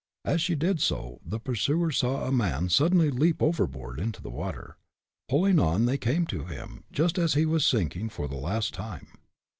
As she did so, the pursuers saw a man suddenly leap overboard into the water. Pulling on, they came to him, just as he was sinking for the last time.